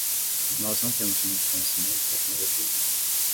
Nós não temos muito conhecimento e tecnologia